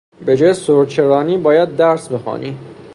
به جای سورچرانی باید درس بخوانی!